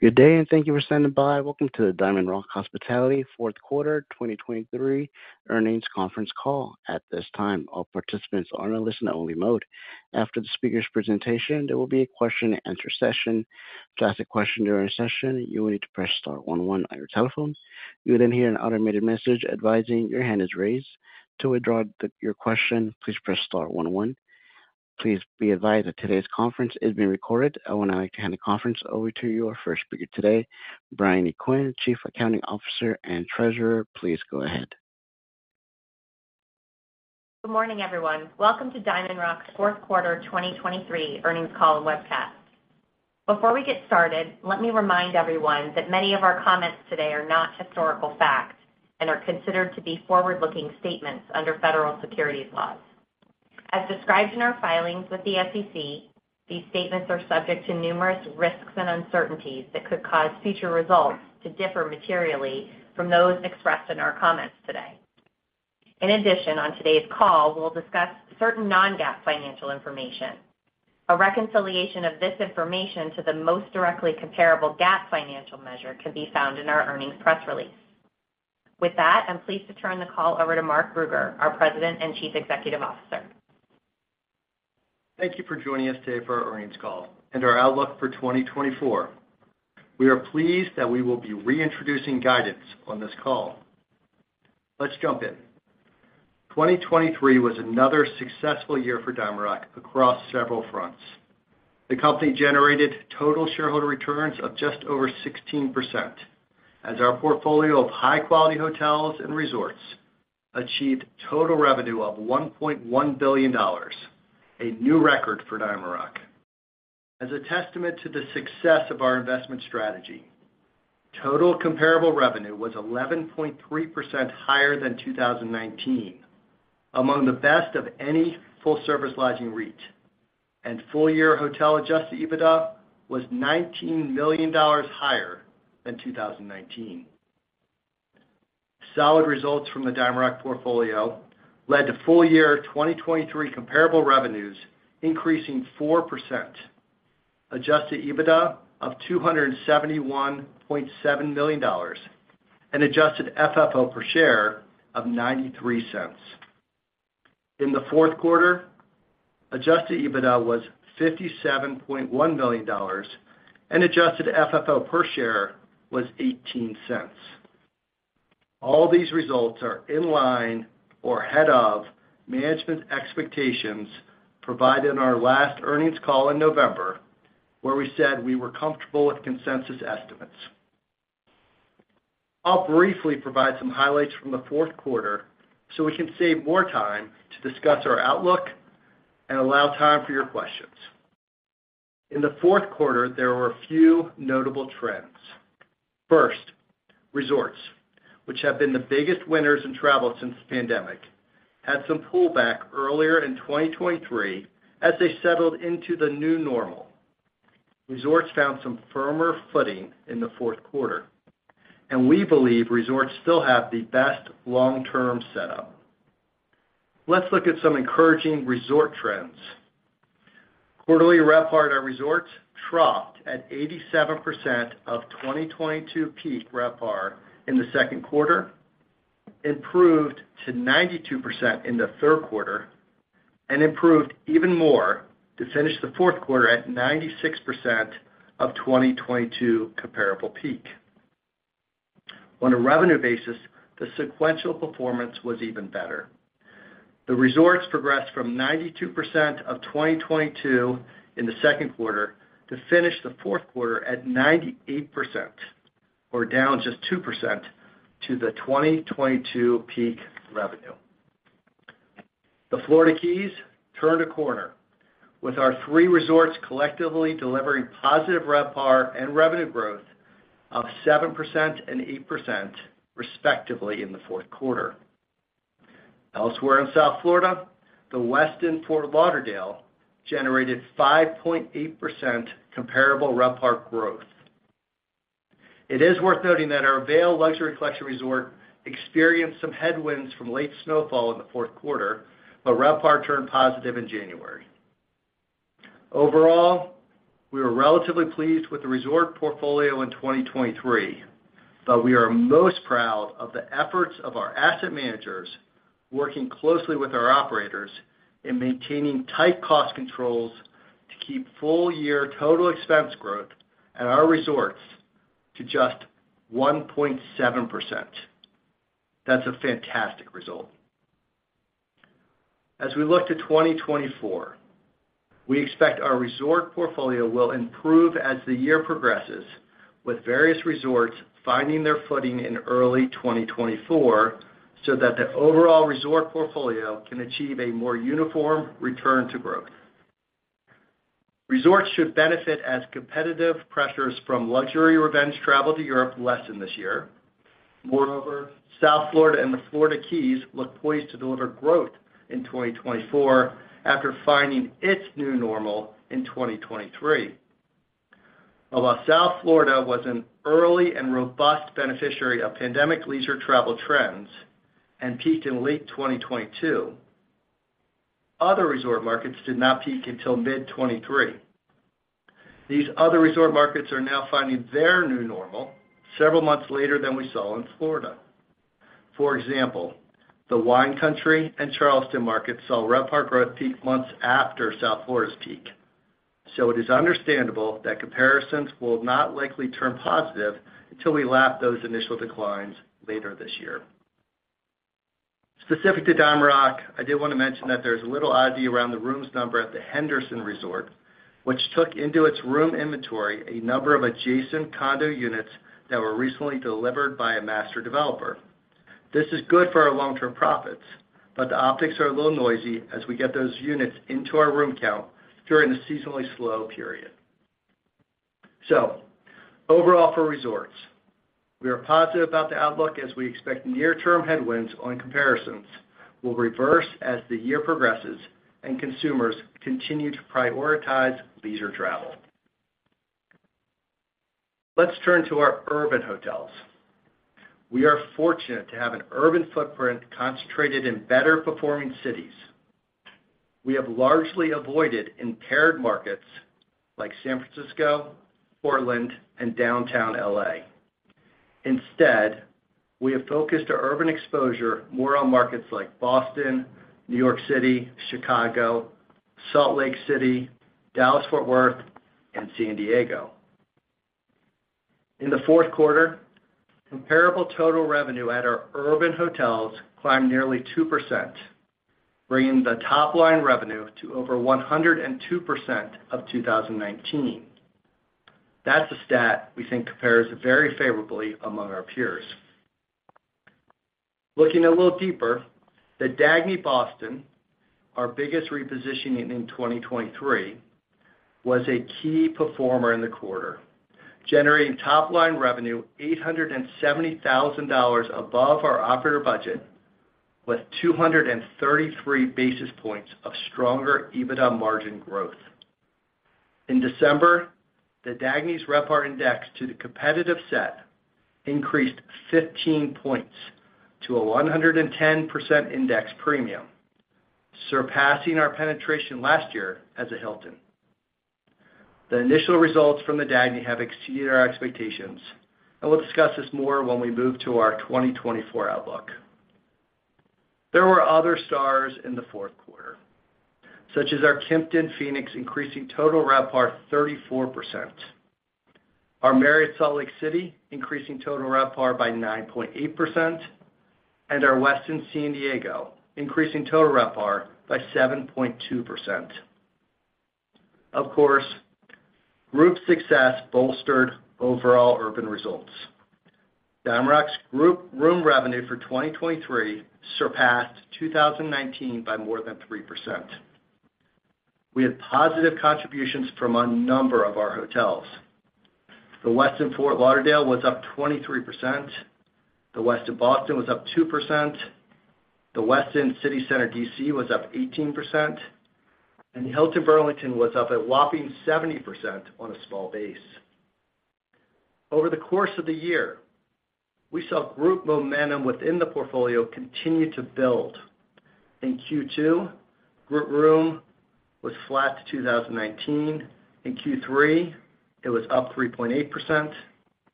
Good day, and thank you for standing by. Welcome to the DiamondRock Hospitality fourth quarter 2023 earnings conference call. At this time, all participants are in a listen-only mode. After the speaker's presentation, there will be a question-and-answer session. To ask a question during the session, you will need to press star one one on your telephone. You will then hear an automated message advising your hand is raised. To withdraw your question, please press star one one. Please be advised that today's conference is being recorded. I would now like to hand the conference over to your first speaker today, Briony Quinn, Chief Accounting Officer and Treasurer. Please go ahead. Good morning, everyone. Welcome to DiamondRock's fourth quarter 2023 earnings call and webcast. Before we get started, let me remind everyone that many of our comments today are not historical facts and are considered to be forward-looking statements under federal securities laws. As described in our filings with the SEC, these statements are subject to numerous risks and uncertainties that could cause future results to differ materially from those expressed in our comments today. In addition, on today's call, we'll discuss certain non-GAAP financial information. A reconciliation of this information to the most directly comparable GAAP financial measure can be found in our earnings press release. With that, I'm pleased to turn the call over to Mark Brugger, our President and Chief Executive Officer. Thank you for joining us today for our earnings call and our outlook for 2024. We are pleased that we will be reintroducing guidance on this call. Let's jump in. 2023 was another successful year for DiamondRock across several fronts. The company generated total shareholder returns of just over 16%, as our portfolio of high-quality hotels and resorts achieved total revenue of $1.1 billion, a new record for DiamondRock. As a testament to the success of our investment strategy, total comparable revenue was 11.3% higher than 2019, among the best of any full-service lodging REIT, and full-year Hotel Adjusted EBITDA was $19 million higher than 2019. Solid results from the DiamondRock portfolio led to full-year 2023 comparable revenues, increasing 4%, Adjusted EBITDA of $271.7 million, and Adjusted FFO per share of $0.93. In the fourth quarter, Adjusted EBITDA was $57.1 million, and Adjusted FFO per share was $0.18. All these results are in line or ahead of management's expectations, provided in our last earnings call in November, where we said we were comfortable with consensus estimates. I'll briefly provide some highlights from the fourth quarter so we can save more time to discuss our outlook and allow time for your questions. In the fourth quarter, there were a few notable trends. First, resorts, which have been the biggest winners in travel since the pandemic, had some pullback earlier in 2023 as they settled into the new normal. Resorts found some firmer footing in the fourth quarter, and we believe resorts still have the best long-term setup. Let's look at some encouraging resort trends. Quarterly RevPAR at our resorts dropped at 87% of 2022 peak RevPAR in the second quarter, improved to 92% in the third quarter, and improved even more to finish the fourth quarter at 96% of 2022 comparable peak. On a revenue basis, the sequential performance was even better. The resorts progressed from 92% of 2022 in the second quarter to finish the fourth quarter at 98%, or down just 2% to the 2022 peak revenue. The Florida Keys turned a corner, with our three resorts collectively delivering positive RevPAR and revenue growth of 7% and 8%, respectively, in the fourth quarter. Elsewhere in South Florida, The Westin Fort Lauderdale generated 5.8% comparable RevPAR growth. It is worth noting that our Vail Luxury Collection resort experienced some headwinds from late snowfall in the fourth quarter, but RevPAR turned positive in January. Overall, we were relatively pleased with the resort portfolio in 2023, but we are most proud of the efforts of our asset managers, working closely with our operators in maintaining tight cost controls to keep full-year total expense growth at our resorts to just 1.7%. That's a fantastic result. As we look to 2024, we expect our resort portfolio will improve as the year progresses, with various resorts finding their footing in early 2024, so that the overall resort portfolio can achieve a more uniform return to growth. Resorts should benefit as competitive pressures from luxury revenge travel to Europe lessen this year. Moreover, South Florida and the Florida Keys look poised to deliver growth in 2024 after finding its new normal in 2023. While South Florida was an early and robust beneficiary of pandemic leisure travel trends and peaked in late 2022, other resort markets did not peak until mid 2023. These other resort markets are now finding their new normal several months later than we saw in Florida. For example, the Wine Country and Charleston markets saw RevPAR growth peak months after South Florida's peak. So it is understandable that comparisons will not likely turn positive until we lap those initial declines later this year. Specific to DiamondRock, I did want to mention that there's a little oddity around the rooms number at the Henderson Beach Resort, which took into its room inventory a number of adjacent condo units that were recently delivered by a master developer. This is good for our long-term profits, but the optics are a little noisy as we get those units into our room count during the seasonally slow period. So overall, for resorts, we are positive about the outlook as we expect near-term headwinds on comparisons will reverse as the year progresses and consumers continue to prioritize leisure travel. Let's turn to our urban hotels. We are fortunate to have an urban footprint concentrated in better-performing cities. We have largely avoided impaired markets like San Francisco, Portland, and downtown L.A. Instead, we have focused our urban exposure more on markets like Boston, New York City, Chicago, Salt Lake City, Dallas-Fort Worth, and San Diego. In the fourth quarter, comparable total revenue at our urban hotels climbed nearly 2%, bringing the top line revenue to over 102% of 2019. That's a stat we think compares very favorably among our peers. Looking a little deeper, The Dagny Boston, our biggest repositioning in 2023, was a key performer in the quarter, generating top-line revenue $870,000 above our operator budget, with 233 basis points of stronger EBITDA margin growth. In December, the Dagny's RevPAR index to the competitive set increased 15 points to a 110% index premium, surpassing our penetration last year as a Hilton. The initial results from the Dagny have exceeded our expectations, and we'll discuss this more when we move to our 2024 outlook. There were other stars in the fourth quarter, such as our Kimpton in Phoenix, increasing total RevPAR 34%, our Marriott Salt Lake City, increasing total RevPAR by 9.8%, and our Westin San Diego, increasing total RevPAR by 7.2%. Of course, group success bolstered overall urban results. DiamondRock's group room revenue for 2023 surpassed 2019 by more than 3%. We had positive contributions from a number of our hotels. The Westin Fort Lauderdale was up 23%, the Westin Boston was up 2%, the Westin City Center D.C. was up 18%, and the Hilton Burlington was up a whopping 70% on a small base. Over the course of the year, we saw group momentum within the portfolio continue to build. In Q2, group room was flat to 2019. In Q3, it was up 3.8%,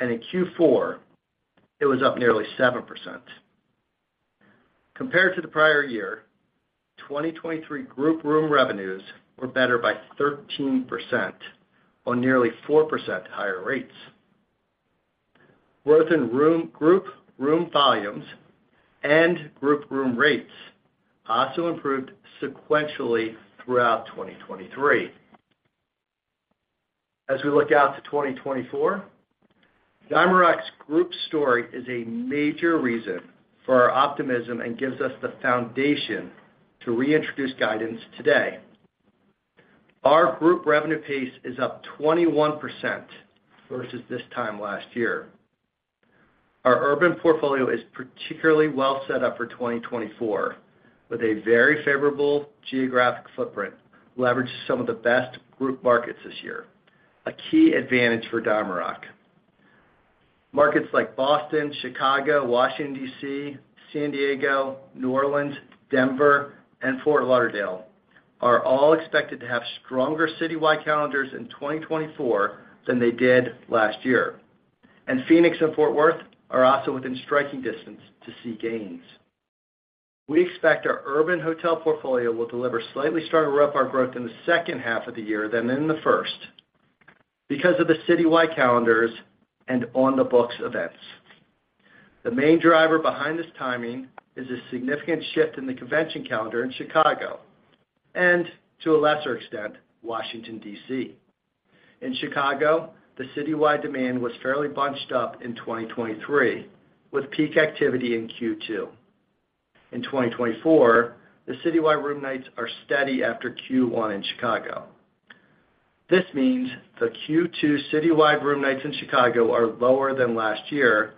and in Q4, it was up nearly 7%. Compared to the prior year, 2023 group room revenues were better by 13% on nearly 4% higher rates. Growth in group room volumes and group room rates also improved sequentially throughout 2023. As we look out to 2024, DiamondRock's group story is a major reason for our optimism and gives us the foundation to reintroduce guidance today. Our group revenue pace is up 21% versus this time last year. Our urban portfolio is particularly well set up for 2024, with a very favorable geographic footprint, leveraged some of the best group markets this year, a key advantage for DiamondRock. Markets like Boston, Chicago, Washington, D.C., San Diego, New Orleans, Denver, and Fort Lauderdale are all expected to have stronger citywide calendars in 2024 than they did last year, and Phoenix and Fort Worth are also within striking distance to see gains. We expect our urban hotel portfolio will deliver slightly stronger RevPAR growth in the second half of the year than in the first because of the citywide calendars and on-the-books events. The main driver behind this timing is a significant shift in the convention calendar in Chicago and, to a lesser extent, Washington, D.C. In Chicago, the citywide demand was fairly bunched up in 2023, with peak activity in Q2. In 2024, the citywide room nights are steady after Q1 in Chicago. This means the Q2 citywide room nights in Chicago are lower than last year,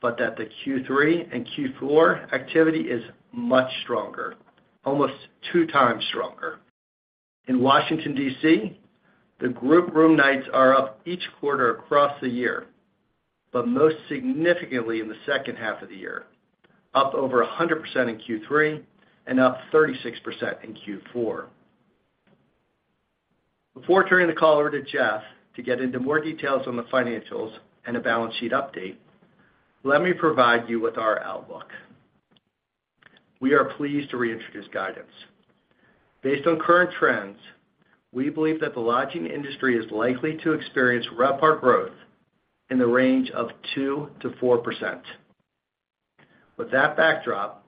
but that the Q3 and Q4 activity is much stronger, almost two times stronger. In Washington, D.C., the group room nights are up each quarter across the year, but most significantly in the second half of the year, up over 100% in Q3 and up 36% in Q4. Before turning the call over to Jeff to get into more details on the financials and a balance sheet update, let me provide you with our outlook. We are pleased to reintroduce guidance. Based on current trends, we believe that the lodging industry is likely to experience RevPAR growth in the range of 2%-4%. With that backdrop,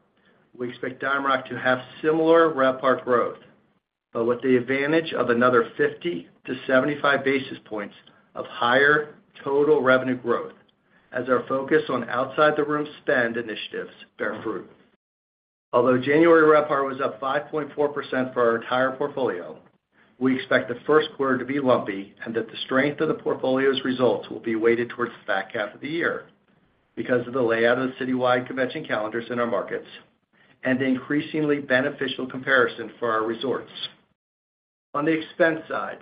we expect DiamondRock to have similar RevPAR growth, but with the advantage of another 50-75 basis points of higher total revenue growth as our focus on outside the room spend initiatives bear fruit. Although January RevPAR was up 5.4% for our entire portfolio, we expect the first quarter to be lumpy and that the strength of the portfolio's results will be weighted towards the back half of the year because of the layout of the citywide convention calendars in our markets and the increasingly beneficial comparison for our resorts. On the expense side,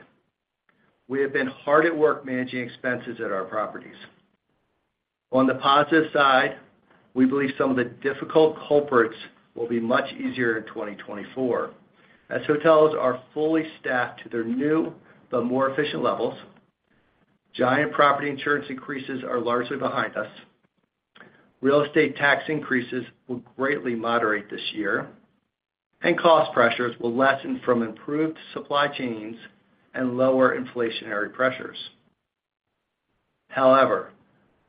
we have been hard at work managing expenses at our properties. On the positive side, we believe some of the difficult culprits will be much easier in 2024, as hotels are fully staffed to their new but more efficient levels, giant property insurance increases are largely behind us, real estate tax increases will greatly moderate this year, and cost pressures will lessen from improved supply chains and lower inflationary pressures. However,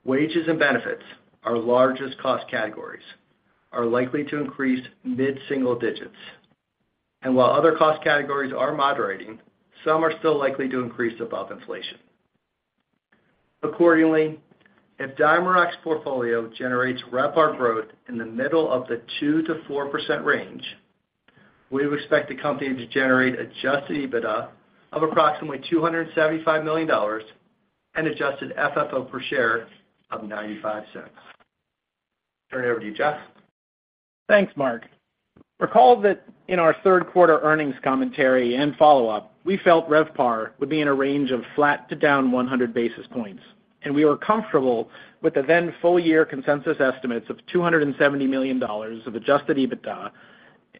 wages and benefits, our largest cost categories, are likely to increase mid-single digits. While other cost categories are moderating, some are still likely to increase above inflation. Accordingly, if DiamondRock's portfolio generates RevPAR growth in the middle of the 2%-4% range, we would expect the company to generate Adjusted EBITDA of approximately $275 million and Adjusted FFO per share of $0.95. Turn it over to you, Jeff. Thanks, Mark. Recall that in our third quarter earnings commentary and follow-up, we felt RevPAR would be in a range of flat to down 100 basis points, and we were comfortable with the then full-year consensus estimates of $270 million of Adjusted EBITDA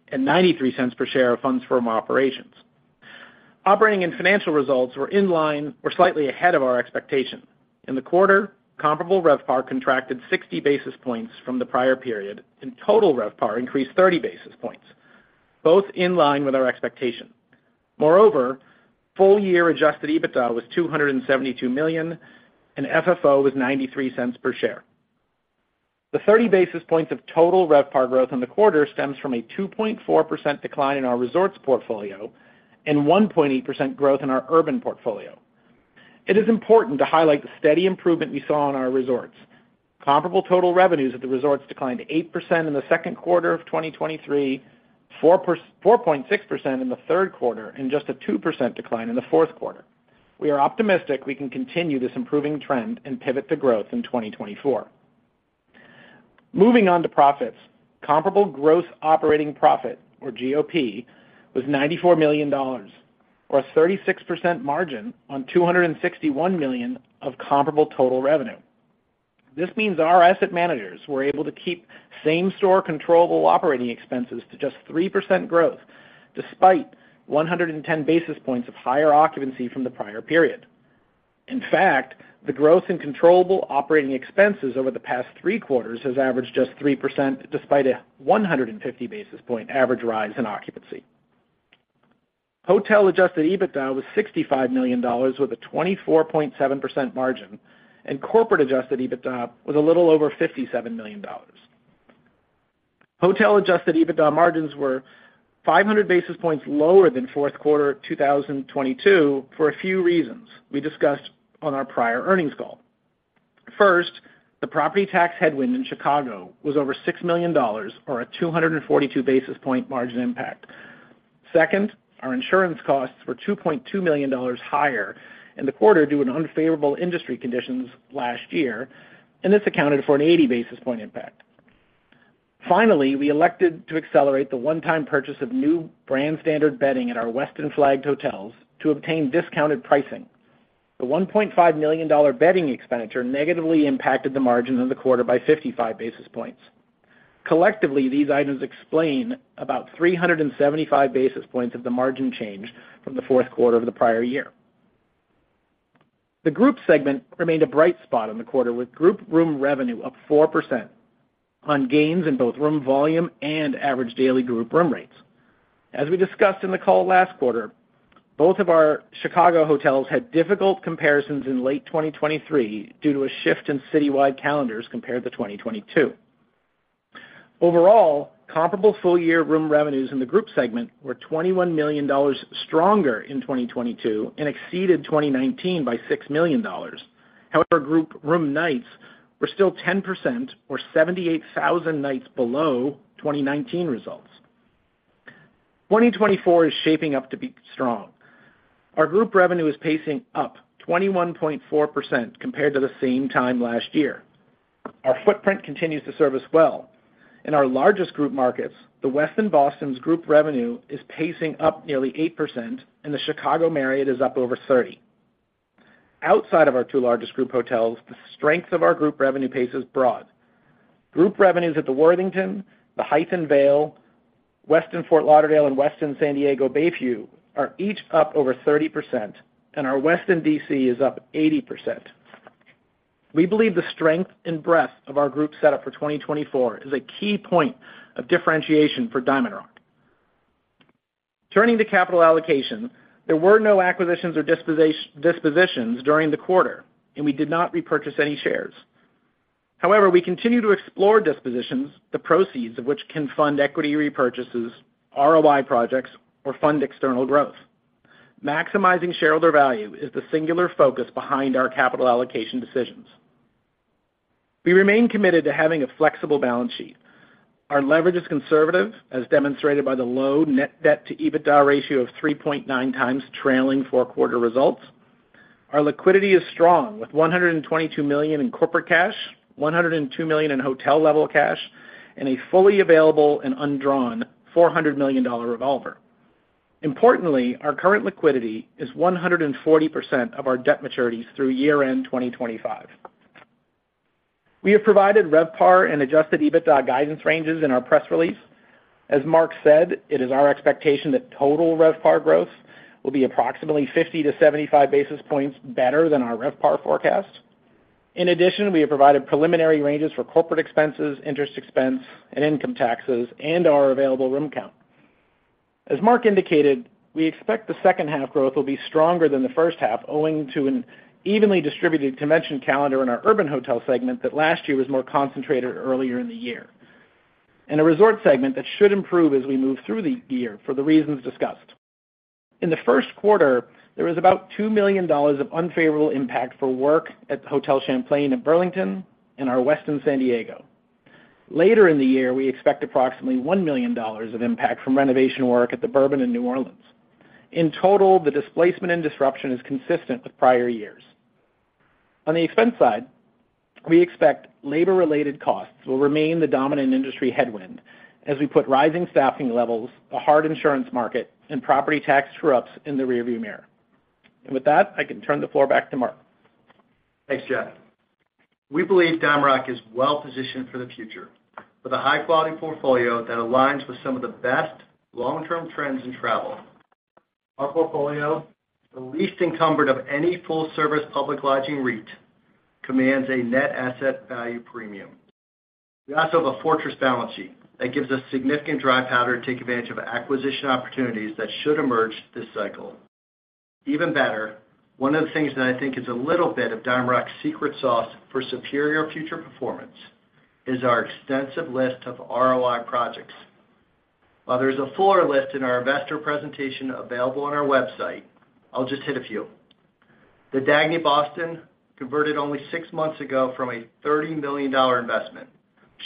and $0.93 per share of funds from operations. Operating and financial results were in line or slightly ahead of our expectations. In the quarter, comparable RevPAR contracted 60 basis points from the prior period, and total RevPAR increased 30 basis points, both in line with our expectations. Moreover, full-year Adjusted EBITDA was $272 million, and FFO was $0.93 per share. The 30 basis points of total RevPAR growth in the quarter stems from a 2.4% decline in our resorts portfolio and 1.8% growth in our urban portfolio. It is important to highlight the steady improvement we saw in our resorts. Comparable total revenues at the resorts declined 8% in the second quarter of 2023, 4.6% in the third quarter, and just a 2% decline in the fourth quarter. We are optimistic we can continue this improving trend and pivot to growth in 2024. Moving on to profits. Comparable gross operating profit, or GOP, was $94 million, or a 36% margin on $261 million of comparable total revenue. This means our asset managers were able to keep same-store controllable operating expenses to just 3% growth, despite 110 basis points of higher occupancy from the prior period. In fact, the growth in controllable operating expenses over the past three quarters has averaged just 3%, despite a 150 basis points average rise in occupancy. Hotel Adjusted EBITDA was $65 million, with a 24.7% margin, and Corporate Adjusted EBITDA was a little over $57 million. Hotel Adjusted EBITDA margins were 500 basis points lower than fourth quarter 2022 for a few reasons we discussed on our prior earnings call. First, the property tax headwind in Chicago was over $6 million, or a 242 basis points margin impact. Second, our insurance costs were $2.2 million higher in the quarter due to unfavorable industry conditions last year, and this accounted for an 80 basis points impact. Finally, we elected to accelerate the one-time purchase of new brand standard bedding at our Westin-flagged hotels to obtain discounted pricing. The $1.5 million bedding expenditure negatively impacted the margin in the quarter by 55 basis points. Collectively, these items explain about 375 basis points of the margin change from the fourth quarter of the prior year. The group segment remained a bright spot in the quarter, with group room revenue up 4% on gains in both room volume and average daily group room rates. As we discussed in the call last quarter, both of our Chicago hotels had difficult comparisons in late 2023 due to a shift in citywide calendars compared to 2022. Overall, comparable full-year room revenues in the group segment were $21 million stronger in 2022 and exceeded 2019 by $6 million. However, group room nights were still 10% or 78,000 nights below 2019 results. 2024 is shaping up to be strong. Our group revenue is pacing up 21.4% compared to the same time last year. Our footprint continues to serve us well. In our largest group markets, the Westin Boston's group revenue is pacing up nearly 8%, and the Chicago Marriott is up over 30. Outside of our two largest group hotels, the strength of our group revenue pace is broad. Group revenues at the Worthington, the Hyatt in Vail, Westin Fort Lauderdale, and Westin San Diego Bayview are each up over 30%, and our Westin DC is up 80%. We believe the strength and breadth of our group setup for 2024 is a key point of differentiation for DiamondRock. Turning to capital allocation, there were no acquisitions or dispositions during the quarter, and we did not repurchase any shares. However, we continue to explore dispositions, the proceeds of which can fund equity repurchases, ROI projects, or fund external growth. Maximizing shareholder value is the singular focus behind our capital allocation decisions. We remain committed to having a flexible balance sheet. Our leverage is conservative, as demonstrated by the low net debt to EBITDA ratio of 3.9 times trailing four-quarter results. Our liquidity is strong, with $122 million in corporate cash, $102 million in hotel level cash, and a fully available and undrawn $400 million revolver. Importantly, our current liquidity is 140% of our debt maturities through year-end 2025. We have provided RevPAR and Adjusted EBITDA guidance ranges in our press release. As Mark said, it is our expectation that total RevPAR growth will be approximately 50-75 basis points better than our RevPAR forecast. In addition, we have provided preliminary ranges for corporate expenses, interest expense, and income taxes, and our available room count. As Mark indicated, we expect the second half growth will be stronger than the first half, owing to an evenly distributed convention calendar in our urban hotel segment that last year was more concentrated earlier in the year, and a resort segment that should improve as we move through the year for the reasons discussed. In the first quarter, there was about $2 million of unfavorable impact for work at the Hotel Champlain in Burlington and our Westin San Diego. Later in the year, we expect approximately $1 million of impact from renovation work at the Bourbon in New Orleans. In total, the displacement and disruption is consistent with prior years. On the expense side, we expect labor-related costs will remain the dominant industry headwind as we put rising staffing levels, a hard insurance market, and property tax upticks in the rearview mirror. With that, I can turn the floor back to Mark. Thanks, Jeff. We believe DiamondRock is well positioned for the future with a high-quality portfolio that aligns with some of the best long-term trends in travel. Our portfolio, the least encumbered of any full-service public lodging REIT, commands a net asset value premium. We also have a fortress balance sheet that gives us significant dry powder to take advantage of acquisition opportunities that should emerge this cycle. Even better, one of the things that I think is a little bit of DiamondRock's secret sauce for superior future performance is our extensive list of ROI projects. While there's a fuller list in our investor presentation available on our website, I'll just hit a few. The Dagny Boston, converted only six months ago from a $30 million investment,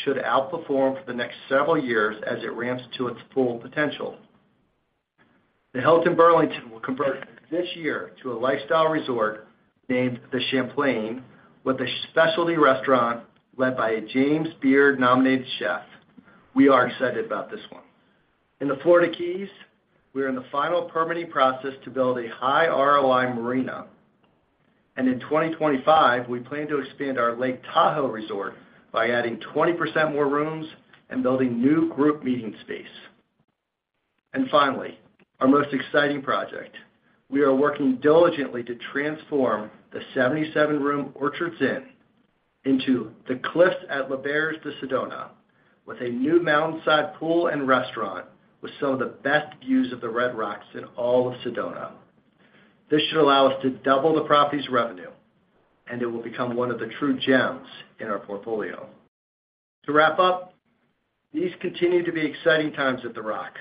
should outperform for the next several years as it ramps to its full potential. The Hilton Burlington will convert this year to a lifestyle resort named The Champlain, with a specialty restaurant led by a James Beard-nominated chef. We are excited about this one. In the Florida Keys, we are in the final permitting process to build a high ROI marina. And in 2025, we plan to expand our Lake Tahoe resort by adding 20% more rooms and building new group meeting space. And finally, our most exciting project, we are working diligently to transform the 77-room Orchards Inn into The Cliffs at L'Auberge de Sedona, with a new mountainside pool and restaurant with some of the best views of the Red Rocks in all of Sedona. This should allow us to double the property's revenue, and it will become one of the true gems in our portfolio. To wrap up, these continue to be exciting times at The Rock.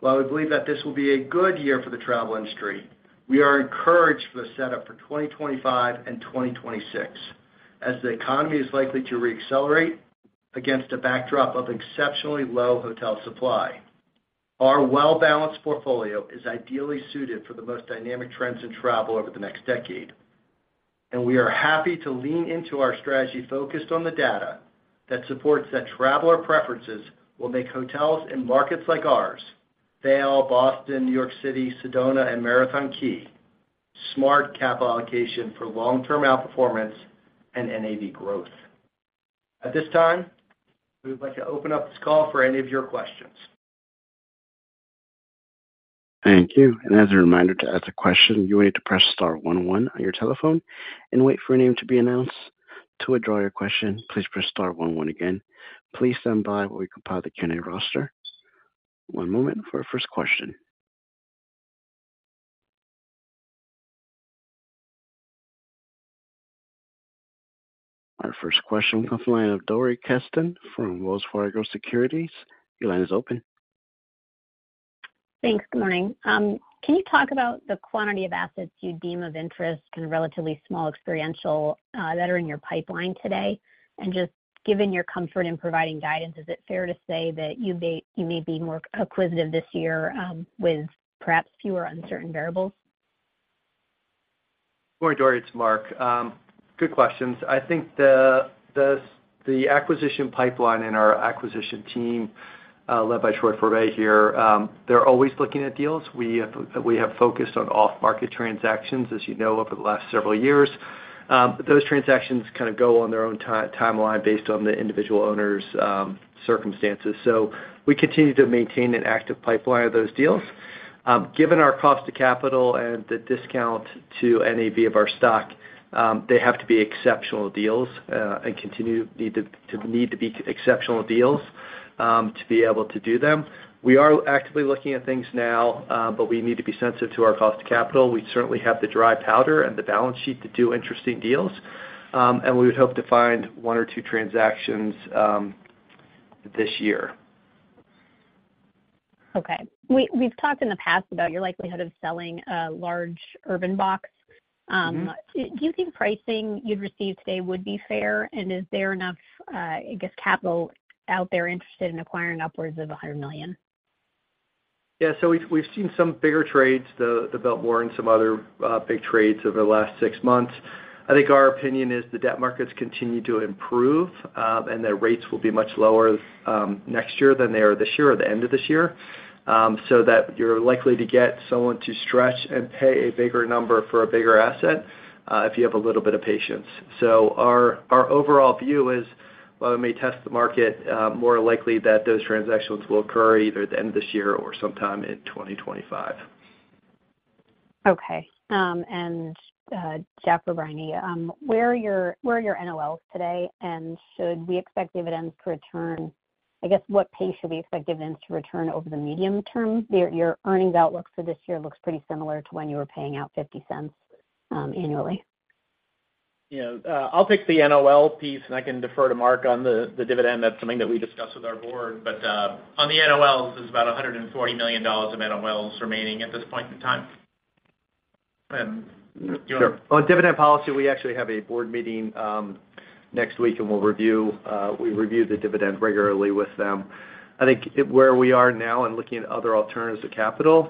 While we believe that this will be a good year for the travel industry, we are encouraged for the setup for 2025 and 2026, as the economy is likely to reaccelerate against a backdrop of exceptionally low hotel supply. Our well-balanced portfolio is ideally suited for the most dynamic trends in travel over the next decade, and we are happy to lean into our strategy focused on the data that supports that traveler preferences will make hotels in markets like ours, Vail, Boston, New York City, Sedona, and Marathon Key, smart capital allocation for long-term outperformance and NAV growth. At this time, we would like to open up this call for any of your questions. Thank you. As a reminder to ask a question, you will need to press star one one on your telephone and wait for your name to be announced. To withdraw your question, please press star one one again. Please stand by while we compile the Q&A roster. One moment for our first question. Our first question comes from the line of Dori Kesten from Wells Fargo Securities. Your line is open. Thanks. Good morning. Can you talk about the quantity of assets you deem of interest in a relatively small experiential that are in your pipeline today? And just given your comfort in providing guidance, is it fair to say that you may, you may be more acquisitive this year with perhaps fewer uncertain variables? Good morning, Dory, it's Mark. Good questions. I think the acquisition pipeline and our acquisition team, led by Troy Furbay here, they're always looking at deals. We have focused on off-market transactions, as you know, over the last several years. But those transactions kind of go on their own timeline based on the individual owner's circumstances. So we continue to maintain an active pipeline of those deals. Given our cost to capital and the discount to NAV of our stock, they have to be exceptional deals, and they continue to need to be exceptional deals, to be able to do them. We are actively looking at things now, but we need to be sensitive to our cost of capital. We certainly have the dry powder and the balance sheet to do interesting deals. We would hope to find one or two transactions this year. Okay. We've talked in the past about your likelihood of selling a large urban box. Mm-hmm. Do you think pricing you'd receive today would be fair? And is there enough, I guess, capital out there interested in acquiring upwards of $100 million? Yeah, so we've seen some bigger trades, the Biltmore and some other big trades over the last six months. I think our opinion is the debt markets continue to improve, and the rates will be much lower next year than they are this year or the end of this year. So that you're likely to get someone to stretch and pay a bigger number for a bigger asset if you have a little bit of patience. So our overall view is, while we may test the market, more likely that those transactions will occur either at the end of this year or sometime in 2025. Okay. And Jeff Donnelly, where are your NOLs today, and should we expect dividends to return? I guess, what pace should we expect dividends to return over the medium term? Your earnings outlook for this year looks pretty similar to when you were paying out $0.50 annually. Yeah, I'll take the NOL piece, and I can defer to Mark on the dividend. That's something that we discuss with our board. But on the NOLs, there's about $140 million of NOLs remaining at this point in time. You want- Sure. On dividend policy, we actually have a board meeting, next week, and we'll review, we review the dividend regularly with them. I think where we are now and looking at other alternatives to capital,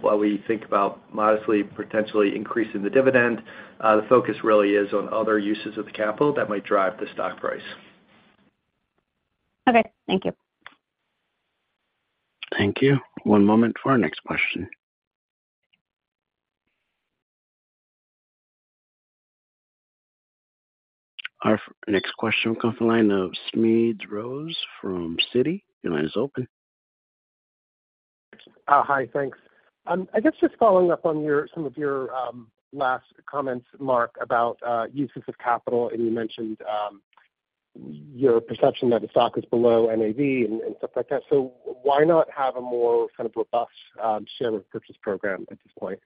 while we think about modestly, potentially increasing the dividend, the focus really is on other uses of the capital that might drive the stock price. Okay, thank you. Thank you. One moment for our next question. Our next question will come from the line of Smedes Rose from Citi. Your line is open. Hi, thanks. I guess just following up on some of your last comments, Mark, about uses of capital, and you mentioned your perception that the stock is below NAV and stuff like that. So why not have a more kind of robust share repurchase program at this point?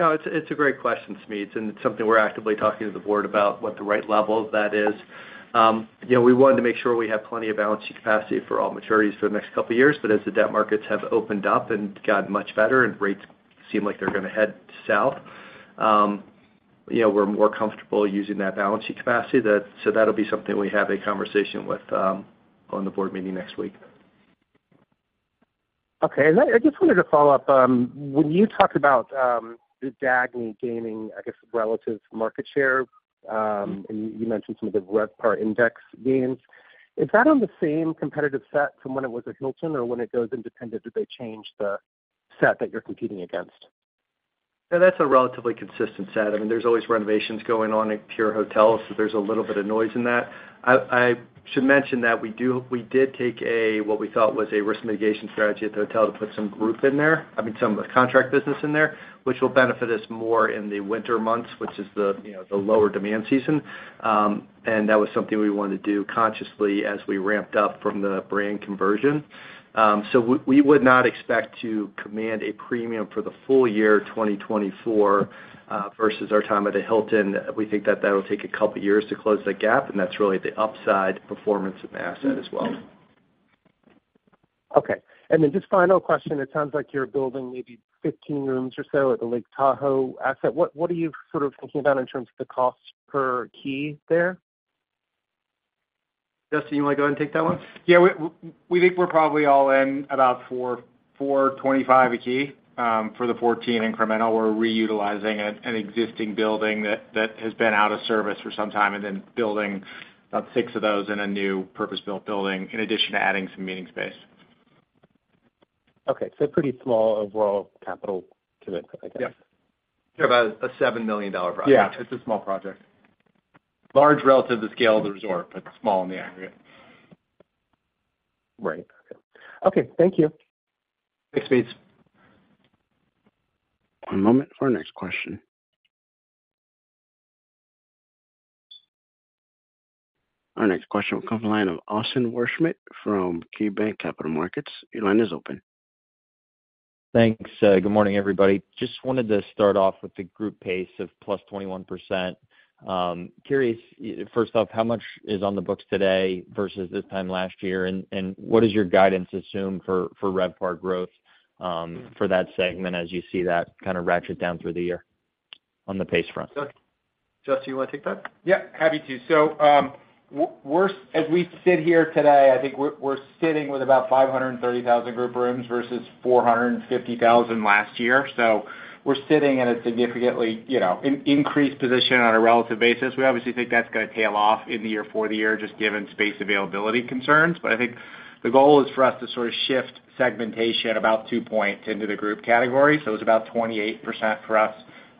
No, it's a great question, Smedes, and it's something we're actively talking to the board about, what the right level of that is. You know, we wanted to make sure we have plenty of balance sheet capacity for all maturities for the next couple of years, but as the debt markets have opened up and gotten much better and rates seem like they're gonna head south, you know, we're more comfortable using that balance sheet capacity. So that'll be something we have a conversation with on the board meeting next week. Okay. I just wanted to follow up, when you talked about the Dagny gaining, I guess, relative market share, and you mentioned some of the RevPAR index gains. Is that on the same competitive set from when it was a Hilton, or when it goes independent, did they change the set that you're competing against? Yeah, that's a relatively consistent set. I mean, there's always renovations going on at peer hotels, so there's a little bit of noise in that. I should mention that we did take a, what we thought was a risk mitigation strategy at the hotel to put some group in there, I mean, some of the contract business in there, which will benefit us more in the winter months, which is the, you know, the lower demand season. And that was something we wanted to do consciously as we ramped up from the brand conversion. So we would not expect to command a premium for the full year 2024, versus our time at the Hilton. We think that that will take a couple of years to close that gap, and that's really the upside performance of the asset as well. Okay. Then just final question. It sounds like you're building maybe 15 rooms or so at the Lake Tahoe asset. What, what are you sort of thinking about in terms of the cost per key there? Justin, you wanna go ahead and take that one? Yeah, we think we're probably all in about $400-$425 a key for the 14 incremental. We're reutilizing an existing building that has been out of service for some time, and then building about 6 of those in a new purpose-built building, in addition to adding some meeting space. Okay, so pretty small overall capital commitment, I guess. Yep. Sure, about a $7 million project. Yeah, it's a small project. Large relative to the scale of the resort, but small in the aggregate. Right. Okay. Thank you. Thanks, Smedes. One moment for our next question. Our next question will come from the line of Austin Wurschmidt from KeyBanc Capital Markets. Your line is open. Thanks. Good morning, everybody. Just wanted to start off with the group pace of +21%. Curious, first off, how much is on the books today versus this time last year? And what does your guidance assume for RevPAR growth, for that segment, as you see that kind of ratchet down through the year?... on the pace front. Justin, you want to take that? Yeah, happy to. So, we're, as we sit here today, I think we're sitting with about 530,000 group rooms versus 450,000 last year. So we're sitting in a significantly, you know, increased position on a relative basis. We obviously think that's going to tail off in the year, for the year, just given space availability concerns. But I think the goal is for us to sort of shift segmentation about two points into the group category. So it was about 28% for us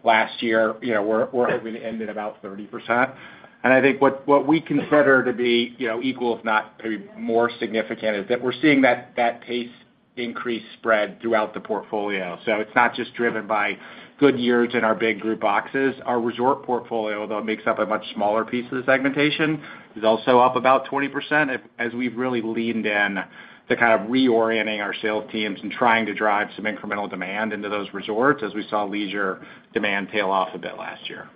last year. You know, we're hoping to end at about 30%. And I think what we consider to be, you know, equal if not maybe more significant, is that we're seeing that pace increase spread throughout the portfolio. It's not just driven by good years in our big group boxes. Our resort portfolio, though, it makes up a much smaller piece of the segmentation, is also up about 20%, as we've really leaned in to kind of reorienting our sales teams and trying to drive some incremental demand into those resorts, as we saw leisure demand tail off a bit last year.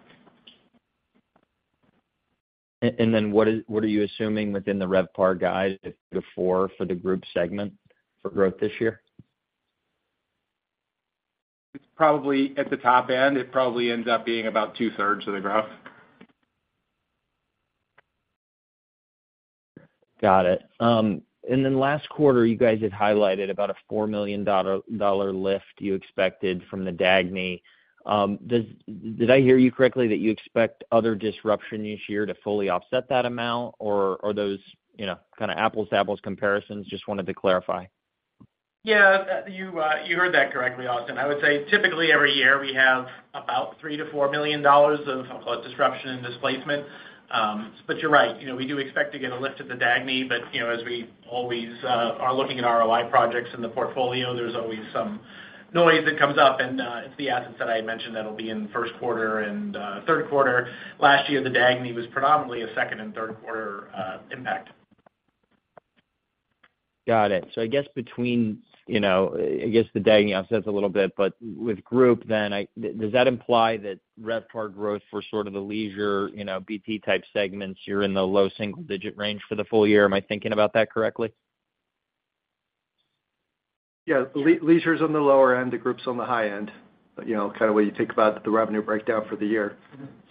And then what are you assuming within the RevPAR guide before for the group segment for growth this year? It's probably at the top end. It probably ends up being about two-thirds of the growth. Got it. And then last quarter, you guys had highlighted about a $4 million lift you expected from the Dagny. Did I hear you correctly, that you expect other disruption this year to fully offset that amount? Or are those, you know, kind of apples to apples comparisons? Just wanted to clarify. Yeah, you heard that correctly, Austin. I would say, typically, every year, we have about $3 million-$4 million of, I'll call it, disruption and displacement. But you're right, you know, we do expect to get a lift at the Dagny. But, you know, as we always are looking at ROI projects in the portfolio, there's always some noise that comes up, and it's the assets that I had mentioned that'll be in the first quarter and third quarter. Last year, the Dagny was predominantly a second and third quarter impact. Got it. So I guess between, you know, I guess The Dagny offsets a little bit, but with group then, does that imply that RevPAR growth for sort of the leisure, you know, BT-type segments, you're in the low single digit range for the full year? Am I thinking about that correctly? Yeah. Leisure is on the lower end, the group's on the high end. But, you know, kind of when you think about the revenue breakdown for the year.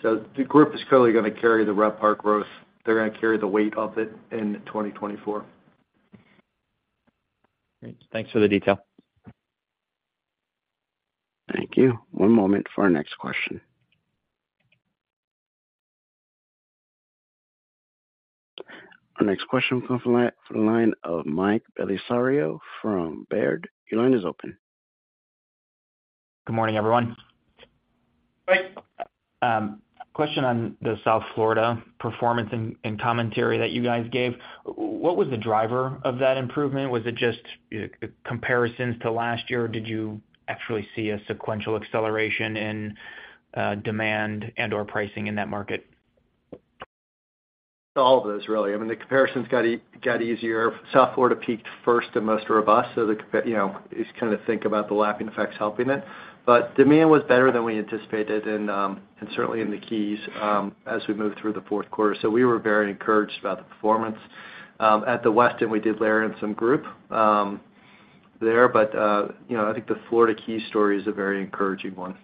So the group is clearly going to carry the RevPAR growth. They're going to carry the weight of it in 2024. Great. Thanks for the detail. Thank you. One moment for our next question. Our next question comes from the line of Mike Bellisario from Baird. Your line is open. Good morning, everyone. Mike. Question on the South Florida performance and, and commentary that you guys gave. What was the driver of that improvement? Was it just, comparisons to last year, or did you actually see a sequential acceleration in, demand and/or pricing in that market? All of those, really. I mean, the comparisons got easier. South Florida peaked first and most robust, so the comps, you know, is kind of think about the lagging effects helping it. But demand was better than we anticipated, and, and certainly in the Keys, as we moved through the fourth quarter. So we were very encouraged about the performance. At the Westin, we did layer in some group, there, but, you know, I think the Florida Keys story is a very encouraging one.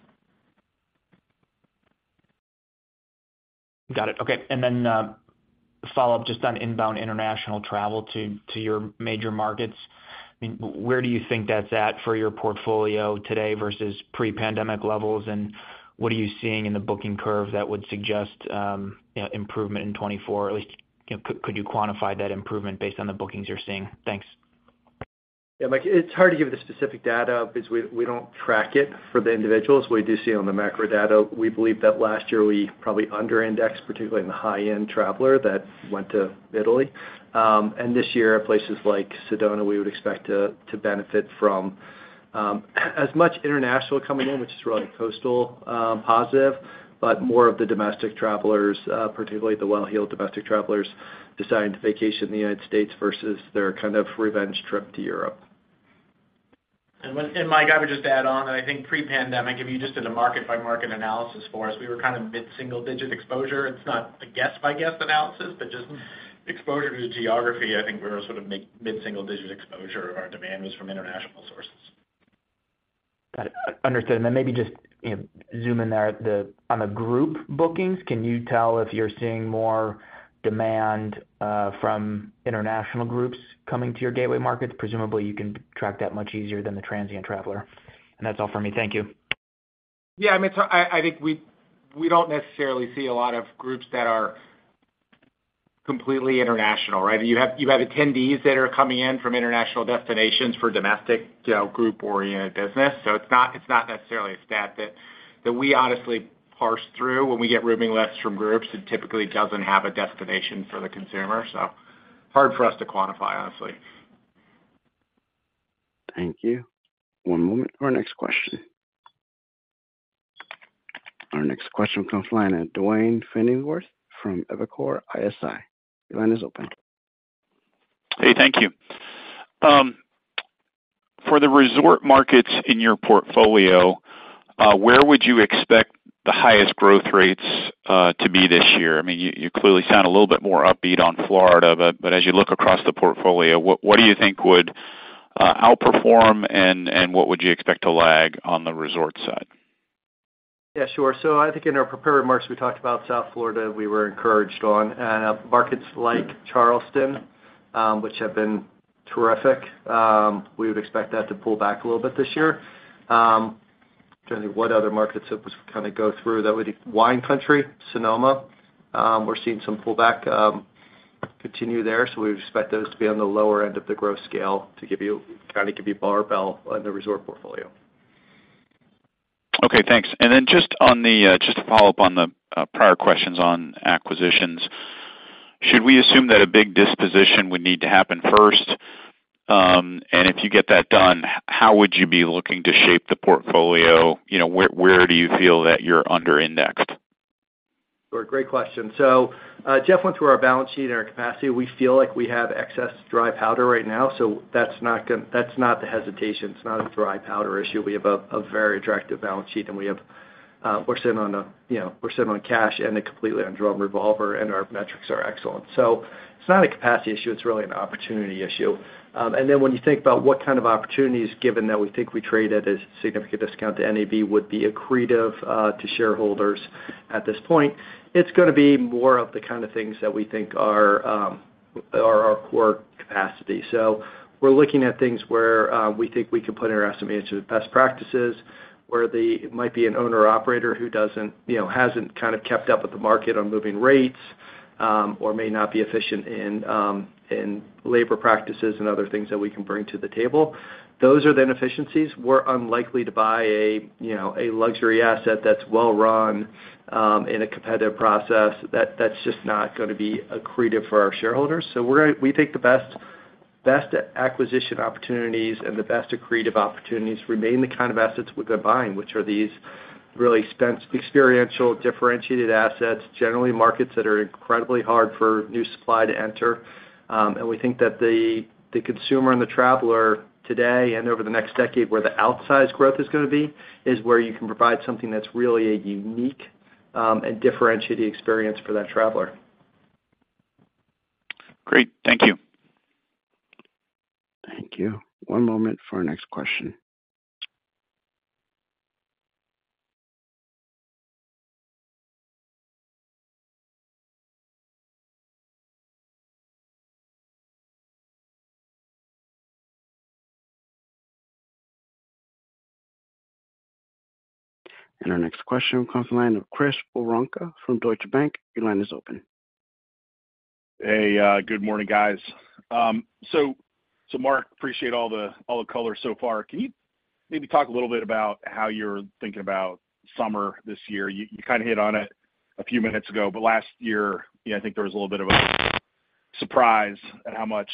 Got it. Okay. And then, follow up just on inbound international travel to, to your major markets. I mean, where do you think that's at for your portfolio today versus pre-pandemic levels? And what are you seeing in the booking curve that would suggest, you know, improvement in 2024? At least, you know, could you quantify that improvement based on the bookings you're seeing? Thanks. Yeah, Mike, it's hard to give the specific data because we, we don't track it for the individuals. We do see it on the macro data. We believe that last year we probably under indexed, particularly in the high-end traveler that went to Italy. And this year, places like Sedona, we would expect to benefit from as much international coming in, which is really coastal positive, but more of the domestic travelers, particularly the well-heeled domestic travelers, deciding to vacation in the United States versus their kind of revenge trip to Europe. And Mike, I would just add on, and I think pre-pandemic, if you just did a market-by-market analysis for us, we were kind of mid-single digit exposure. It's not a guest-by-guest analysis, but just exposure to the geography, I think we're sort of mid, mid-single digit exposure. Our demand was from international sources. Got it. Understood. And then maybe just, you know, zoom in there on the group bookings, can you tell if you're seeing more demand from international groups coming to your gateway markets? Presumably, you can track that much easier than the transient traveler. And that's all for me. Thank you. Yeah, I mean, so I think we don't necessarily see a lot of groups that are completely international, right? You have attendees that are coming in from international destinations for domestic, you know, group-oriented business. So it's not necessarily a stat that we honestly parse through. When we get rooming lists from groups, it typically doesn't have a destination for the consumer. So hard for us to quantify, honestly. Thank you. One moment for our next question. Our next question comes from the line of Duane Pfennigwerth from Evercore ISI. Your line is open. Hey, thank you. For the resort markets in your portfolio, where would you expect the highest growth rates to be this year? I mean, you clearly sound a little bit more upbeat on Florida, but as you look across the portfolio, what do you think would-... outperform and what would you expect to lag on the resort side? Yeah, sure. So I think in our prepared remarks, we talked about South Florida, we were encouraged on. Markets like Charleston, which have been terrific, we would expect that to pull back a little bit this year. Trying to think what other markets that was, kind of go through that with Wine Country, Sonoma, we're seeing some pullback continue there. So we expect those to be on the lower end of the growth scale, to kind of give you barbell on the resort portfolio. Okay, thanks. And then just on the just to follow up on the prior questions on acquisitions, should we assume that a big disposition would need to happen first? And if you get that done, how would you be looking to shape the portfolio? You know, where, where do you feel that you're under-indexed? Sure, great question. So, Jeff went through our balance sheet and our capacity. We feel like we have excess dry powder right now, so that's not the hesitation. It's not a dry powder issue. We have a very attractive balance sheet, and we have, we're sitting on cash and a completely undrawn revolver, and our metrics are excellent. So it's not a capacity issue, it's really an opportunity issue. And then when you think about what kind of opportunities, given that we think we trade at a significant discount to NAV, would be accretive to shareholders at this point, it's going to be more of the kind of things that we think are our core capacity. So we're looking at things where we think we can put our estimates to best practices, where they might be an owner-operator who doesn't, you know, hasn't kind of kept up with the market on moving rates, or may not be efficient in in labor practices and other things that we can bring to the table. Those are then efficiencies. We're unlikely to buy a, you know, a luxury asset that's well run in a competitive process. That's just not going to be accretive for our shareholders. So we're going we think the best acquisition opportunities and the best accretive opportunities remain the kind of assets worth buying, which are these really expensive, experiential, differentiated assets, generally markets that are incredibly hard for new supply to enter. We think that the consumer and the traveler today and over the next decade, where the outsized growth is going to be, is where you can provide something that's really a unique and differentiated experience for that traveler. Great. Thank you. Thank you. One moment for our next question. Our next question comes from the line of Chris Woronka from Deutsche Bank. Your line is open. Hey, good morning, guys. So, Mark, appreciate all the color so far. Can you maybe talk a little bit about how you're thinking about summer this year? You kind of hit on it a few minutes ago, but last year, you know, I think there was a little bit of a surprise at how much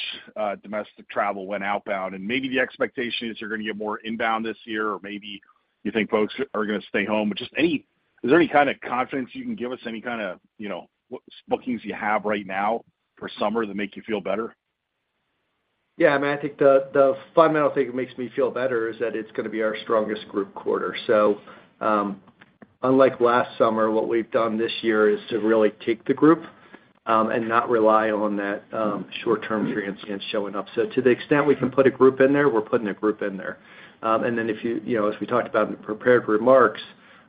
domestic travel went outbound, and maybe the expectation is you're going to get more inbound this year, or maybe you think folks are going to stay home. But is there any kind of confidence you can give us, any kind of, you know, what bookings you have right now for summer that make you feel better? Yeah, I mean, I think the fundamental thing that makes me feel better is that it's going to be our strongest group quarter. So, unlike last summer, what we've done this year is to really take the group and not rely on that short-term transience showing up. So to the extent we can put a group in there, we're putting a group in there. And then if you, you know, as we talked about in the prepared remarks,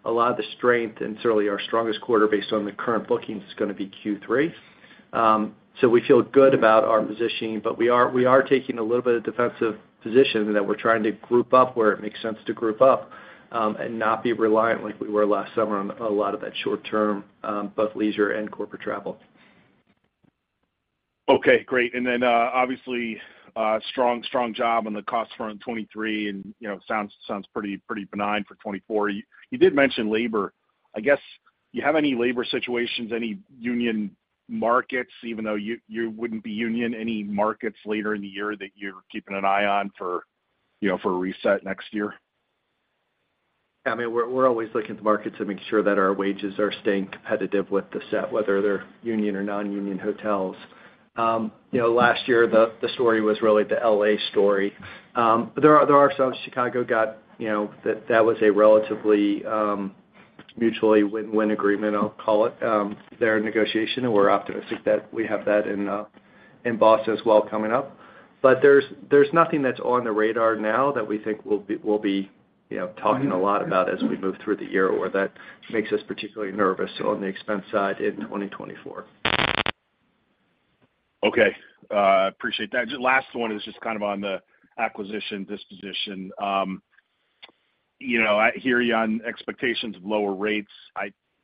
a lot of the strength and certainly our strongest quarter based on the current bookings is going to be Q3. So we feel good about our positioning, but we are taking a little bit of defensive position that we're trying to group up where it makes sense to group up, and not be reliant like we were last summer on a lot of that short-term both leisure and corporate travel. Okay, great. And then, obviously, strong, strong job on the cost front, 2023, and, you know, sounds, sounds pretty, pretty benign for 2024. You, you did mention labor. I guess, do you have any labor situations, any union markets, even though you, you wouldn't be union, any markets later in the year that you're keeping an eye on for, you know, for a reset next year? I mean, we're always looking at the markets and making sure that our wages are staying competitive with the set, whether they're union or non-union hotels. You know, last year, the story was really the L.A. story. There are some. Chicago got, you know, that was a relatively mutually win-win agreement, I'll call it, their negotiation, and we're optimistic that we have that in Boston as well coming up. But there's nothing that's on the radar now that we think we'll be, you know, talking a lot about as we move through the year, or that makes us particularly nervous on the expense side in 2024. Okay, appreciate that. Last one is just kind of on the acquisition disposition. You know, I hear you on expectations of lower rates.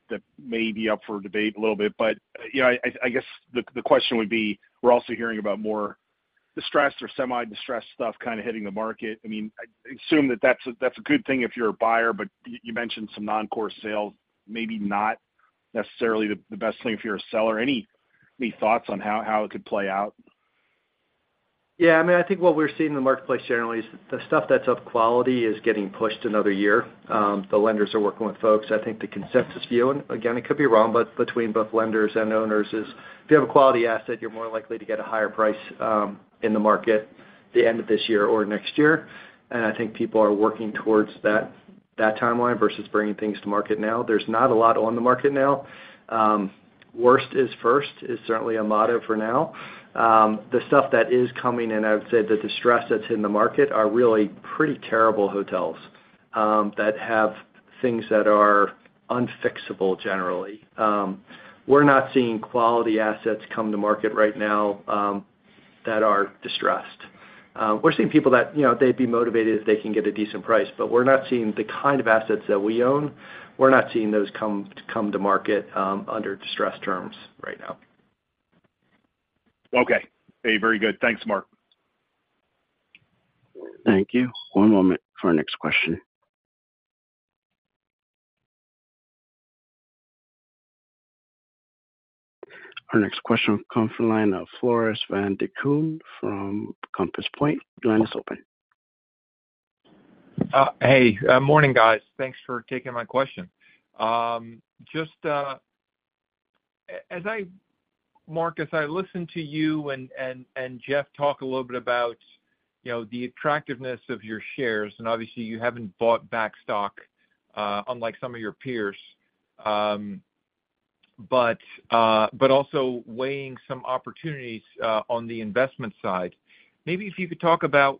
That may be up for debate a little bit, but, you know, I guess the question would be, we're also hearing about more distressed or semi-distressed stuff kind of hitting the market. I mean, I assume that that's a good thing if you're a buyer, but you mentioned some non-core sales, maybe not necessarily the best thing if you're a seller. Any thoughts on how it could play out? Yeah, I mean, I think what we're seeing in the marketplace generally is the stuff that's of quality is getting pushed another year. The lenders are working with folks. I think the consensus view, and again, it could be wrong, but between both lenders and owners, is if you have a quality asset, you're more likely to get a higher price, in the market the end of this year or next year. And I think people are working towards that timeline versus bringing things to market now. There's not a lot on the market now. Worst is first is certainly a motto for now. The stuff that is coming in, I would say, the distress that's in the market are really pretty terrible hotels that have things that are unfixable, generally. We're not seeing quality assets come to market right now that are distressed. We're seeing people that, you know, they'd be motivated if they can get a decent price, but we're not seeing the kind of assets that we own, we're not seeing those come to market under distressed terms right now. Okay. Hey, very good. Thanks, Mark. Thank you. One moment for our next question. Our next question comes from line of Floris van Dijkum from Compass Point. Your line is open. Hey, morning, guys. Thanks for taking my question. Just, Mark, as I listen to you and Jeff talk a little bit about, you know, the attractiveness of your shares, and obviously, you haven't bought back stock, unlike some of your peers, but also weighing some opportunities on the investment side. Maybe if you could talk about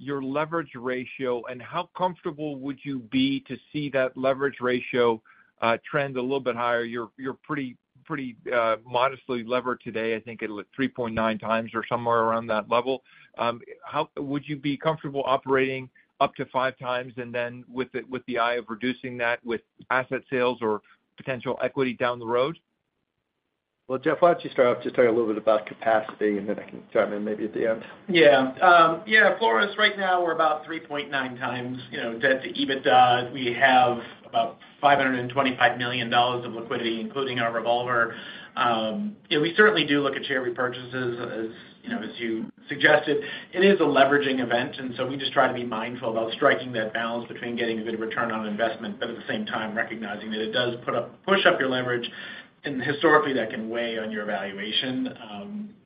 your leverage ratio, and how comfortable would you be to see that leverage ratio trend a little bit higher? You're pretty modestly levered today. I think it looked 3.9x or somewhere around that level. Would you be comfortable operating up to 5x, and then with the eye of reducing that with asset sales or potential equity down the road? Well, Jeff, why don't you start off just talking a little bit about capacity, and then I can chime in maybe at the end? Yeah. Yeah, Floris, right now, we're about 3.9 times, you know, debt to EBITDA. We have about $525 million of liquidity, including our revolver. Yeah, we certainly do look at share repurchases, as, you know, as you suggested. It is a leveraging event, and so we just try to be mindful about striking that balance between getting a good return on investment, but at the same time, recognizing that it does push up your leverage, and historically, that can weigh on your valuation.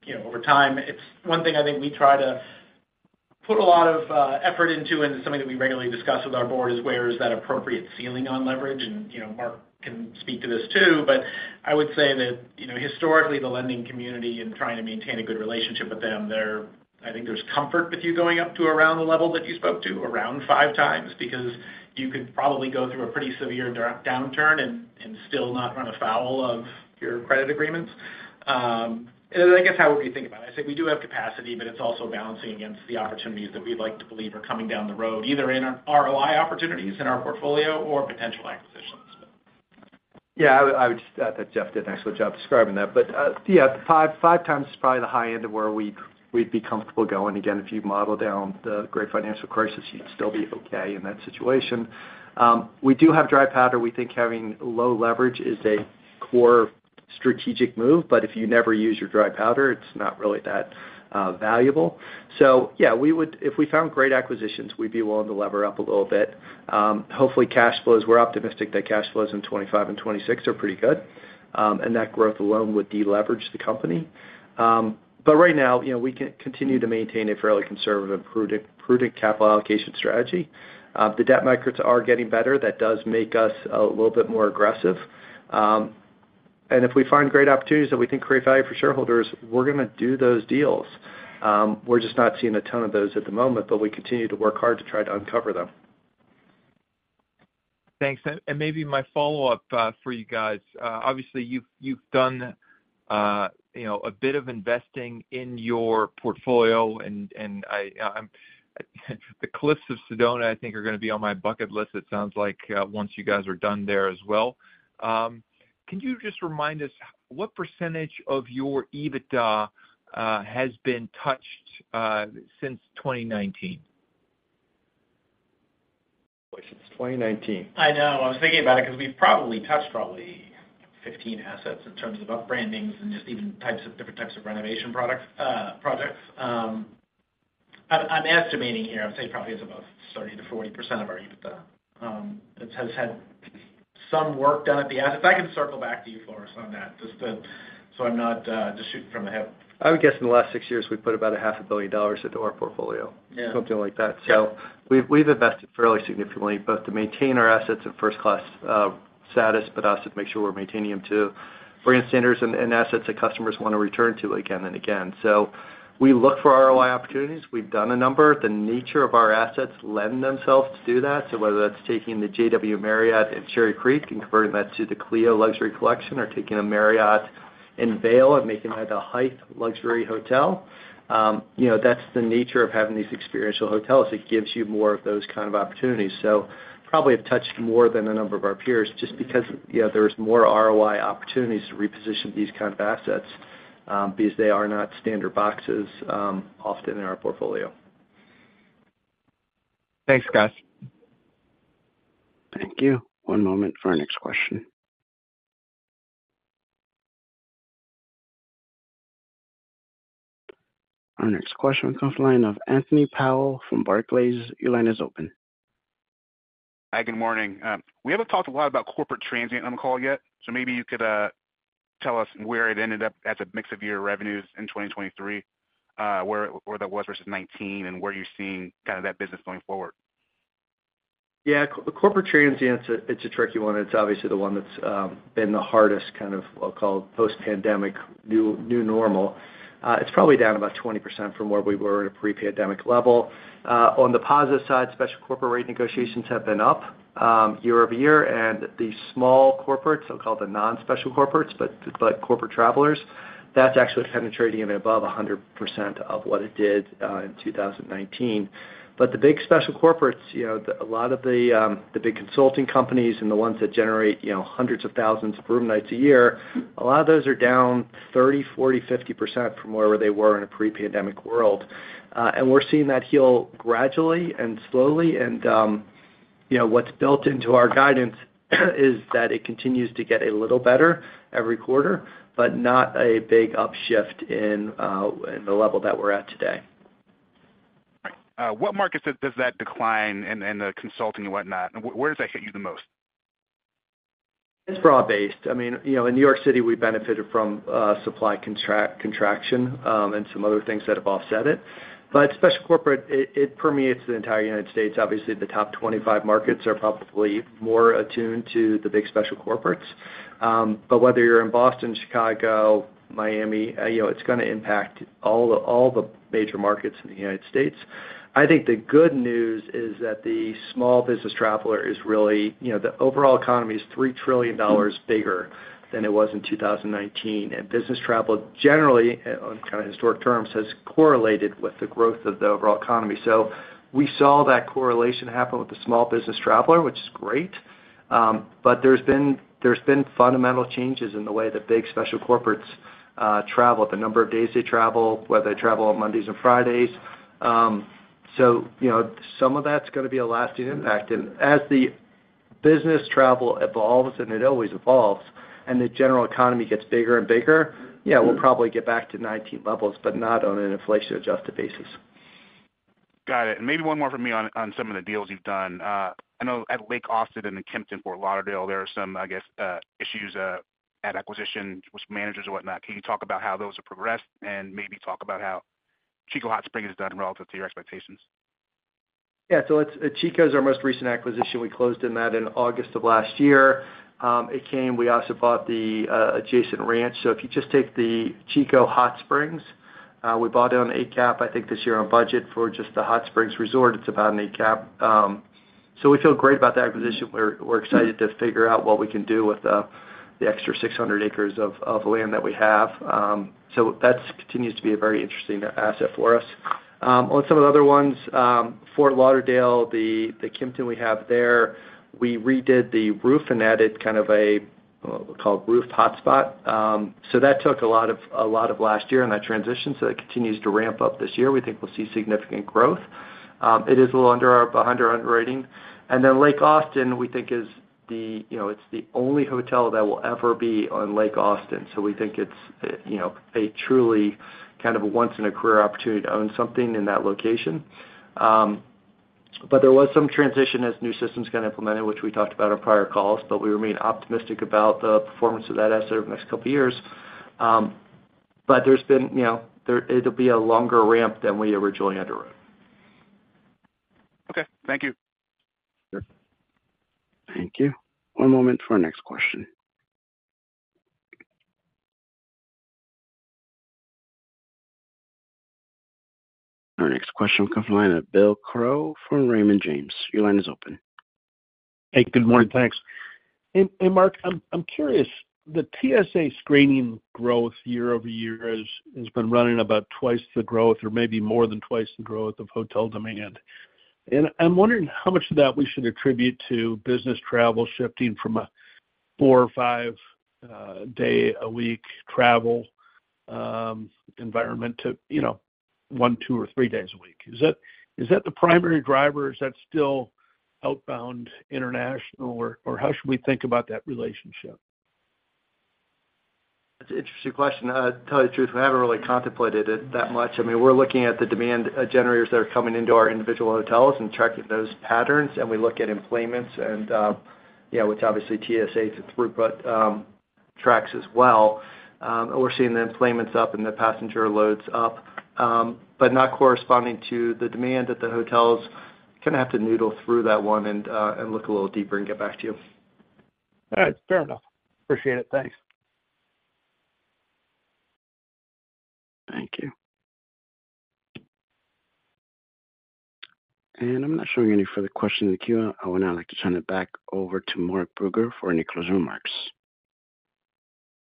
You know, over time, it's one thing I think we try to put a lot of effort into, and something that we regularly discuss with our board, is where is that appropriate ceiling on leverage? You know, Mark can speak to this, too, but I would say that, you know, historically, the lending community and trying to maintain a good relationship with them, there I think there's comfort with you going up to around the level that you spoke to, around 5x, because you could probably go through a pretty severe downturn and still not run afoul of your credit agreements. And I guess that's how we think about it. I'd say we do have capacity, but it's also balancing against the opportunities that we'd like to believe are coming down the road, either in our ROI opportunities in our portfolio or potential acquisitions. Yeah, I would just... Jeff did an excellent job describing that. But yeah, five times is probably the high end of where we'd be comfortable going. Again, if you model down the Great Financial Crisis, you'd still be okay in that situation. We do have dry powder. We think having low leverage is a core strategic move, but if you never use your dry powder, it's not really that valuable. So yeah, we would. If we found great acquisitions, we'd be willing to lever up a little bit. Hopefully, cash flows, we're optimistic that cash flows in 2025 and 2026 are pretty good, and that growth alone would deleverage the company. But right now, you know, we continue to maintain a fairly conservative, prudent capital allocation strategy. The debt markets are getting better, that does make us a little bit more aggressive. And if we find great opportunities that we think create value for shareholders, we're gonna do those deals. We're just not seeing a ton of those at the moment, but we continue to work hard to try to uncover them. Thanks. And maybe my follow-up for you guys. Obviously, you've done, you know, a bit of investing in your portfolio, and I, I'm... The Cliffs of Sedona, I think, are gonna be on my bucket list, it sounds like, once you guys are done there as well. Can you just remind us, what percentage of your EBITDA has been touched since 2019? Since 2019. I know. I was thinking about it because we've probably touched probably 15 assets in terms of upbrandings and just even types of- different types of renovation products, projects. I'm, I'm estimating here, I'd say probably it's about 30%-40% of our EBITDA, it has had some work done at the assets. I can circle back to you, Floris, on that, just to, so I'm not, just shooting from the hip. I would guess in the last six years, we've put about $500 million into our portfolio. Yeah. Something like that. So we've invested fairly significantly, both to maintain our assets at first-class status, but also to make sure we're maintaining them to brand standards and assets that customers want to return to again and again. So we look for ROI opportunities. We've done a number. The nature of our assets lend themselves to do that. So whether that's taking the JW Marriott at Cherry Creek and converting that to the Clio Luxury Collection, or taking a Marriott in Vail and making that a Hyatt luxury hotel, you know, that's the nature of having these experiential hotels. It gives you more of those kind of opportunities. So probably have touched more than a number of our peers just because, you know, there is more ROI opportunities to reposition these kind of assets, because they are not standard boxes, often in our portfolio. Thanks, guys. Thank you. One moment for our next question. Our next question comes from the line of Anthony Powell from Barclays. Your line is open. Hi, good morning. We haven't talked a lot about corporate transient on the call yet, so maybe you could tell us where it ended up as a mix of your revenues in 2023, where that was versus 2019, and where you're seeing kind of that business going forward? Yeah, the corporate transient, it's a tricky one. It's obviously the one that's been the hardest, kind of. I'll call post-pandemic new normal. It's probably down about 20% from where we were at a pre-pandemic level. On the positive side, special corporate rate negotiations have been up year-over-year, and the small corporates, I'll call the non-special corporates, but corporate travelers, that's actually penetrating above 100% of what it did in 2019. But the big special corporates, you know, a lot of the big consulting companies and the ones that generate, you know, hundreds of thousands of room nights a year, a lot of those are down 30, 40, 50% from where they were in a pre-pandemic world. We're seeing that heal gradually and slowly, and, you know, what's built into our guidance is that it continues to get a little better every quarter, but not a big up shift in the level that we're at today. All right. What markets does that decline in the consulting and whatnot, where does that hit you the most? It's broad-based. I mean, you know, in New York City, we benefited from supply contraction and some other things that have offset it. But special corporate, it, it permeates the entire United States. Obviously, the top 25 markets are probably more attuned to the big special corporates. But whether you're in Boston, Chicago, Miami, you know, it's gonna impact all the, all the major markets in the United States. I think the good news is that the small business traveler is really... You know, the overall economy is $3 trillion bigger than it was in 2019, and business travel, generally, on kind of historic terms, has correlated with the growth of the overall economy. So we saw that correlation happen with the small business traveler, which is great. But there's been fundamental changes in the way that big special corporates travel, the number of days they travel, whether they travel on Mondays or Fridays. So, you know, some of that's gonna be a lasting impact. And as the business travel evolves, and it always evolves, and the general economy gets bigger and bigger, yeah, we'll probably get back to 19 levels, but not on an inflation-adjusted basis. Got it. And maybe one more from me on some of the deals you've done. I know at Lake Austin and the Kimpton, Fort Lauderdale, there are some, I guess, issues at acquisition with managers and whatnot. Can you talk about how those have progressed and maybe talk about how Chico Hot Springs has done relative to your expectations? Yeah. So it's Chico is our most recent acquisition. We closed that in August of last year. It came, we also bought the adjacent ranch. So if you just take the Chico Hot Springs, we bought it on cap rate, I think this year, on budget for just the Hot Springs Resort, it's about a cap rate. So we feel great about the acquisition. We're excited to figure out what we can do with the extra 600 acres of land that we have. So that's continues to be a very interesting asset for us. On some of the other ones, Fort Lauderdale, the Kimpton we have there, we redid the roof and added kind of a, we call it roof hotspot. So that took a lot of, a lot of last year in that transition, so that continues to ramp up this year. We think we'll see significant growth. It is a little under our, behind our underwriting. And then Lake Austin, we think is the, you know, it's the only hotel that will ever be on Lake Austin, so we think it's, you know, a truly kind of a once in a career opportunity to own something in that location. But there was some transition as new systems got implemented, which we talked about on prior calls, but we remain optimistic about the performance of that asset over the next couple of years. But there's been, you know, it'll be a longer ramp than we originally had arrived. Okay, thank you. Sure. Thank you. One moment for our next question. Our next question comes from the line of Bill Crow from Raymond James. Your line is open. Hey, good morning, thanks. Hey, Mark, I'm curious, the TSA screening growth year-over-year has been running about twice the growth or maybe more than twice the growth of hotel demand. And I'm wondering how much of that we should attribute to business travel shifting from a 4 or 5 day a week travel environment to, you know, 1, 2, or 3 days a week. Is that the primary driver, or is that still outbound international, or how should we think about that relationship? That's an interesting question. To tell you the truth, we haven't really contemplated it that much. I mean, we're looking at the demand generators that are coming into our individual hotels and tracking those patterns, and we look at enplanements and, which obviously TSA throughput tracks as well. And we're seeing the enplanements up and the passenger loads up, but not corresponding to the demand at the hotels. Gonna have to noodle through that one and look a little deeper and get back to you. All right, fair enough. Appreciate it. Thanks. Thank you. I'm not showing any further questions in the queue. I would now like to turn it back over to Mark Brugger for any closing remarks.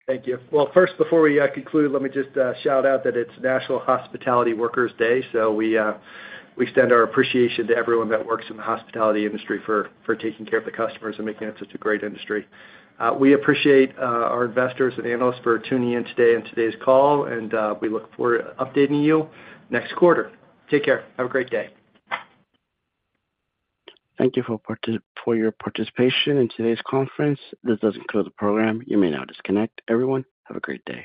Thank you. Well, first, before we conclude, let me just shout out that it's National Hospitality Workers Day, so we extend our appreciation to everyone that works in the hospitality industry for taking care of the customers and making it such a great industry. We appreciate our investors and analysts for tuning in today in today's call, and we look forward to updating you next quarter. Take care. Have a great day. Thank you for your participation in today's conference. This does conclude the program. You may now disconnect. Everyone, have a great day.